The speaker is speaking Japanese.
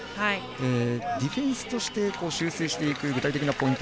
ディフェンスとして修正していく具体的なポイント